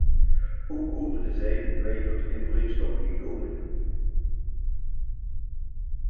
Ook over de zijn wij tot overeenstemming gekomen.